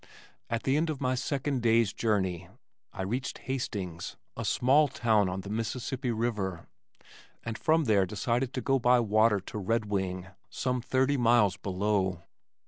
At the end of my second day's journey, I reached Hastings, a small town on the Mississippi river, and from there decided to go by water to Redwing some thirty miles below.